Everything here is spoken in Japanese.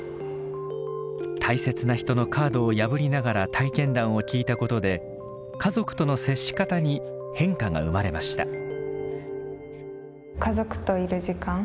大切な人のカードを破りながら体験談を聞いたことで家族との接し方に変化が生まれました。